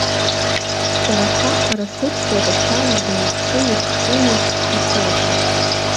Сара саҟара сыцлоит ашьауардын ахшыҩ ухшыҩуп ҳәа соуҳәар.